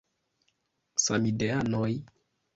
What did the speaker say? Samideanoj!